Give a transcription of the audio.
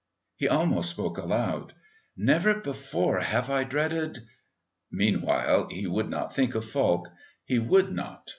He almost spoke aloud. "Never before have I dreaded...." Meanwhile he would not think of Falk. He would not.